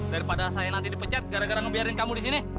daripada saya nanti dipecat gara gara ngebiarin kamu di sini